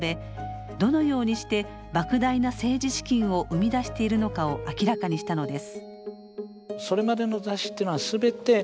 どのようにしてばく大な政治資金を生み出しているのかを明らかにしたのです。